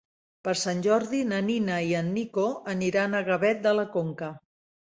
Per Sant Jordi na Nina i en Nico aniran a Gavet de la Conca.